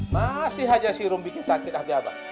masih aja si rum bikin sakit hati abah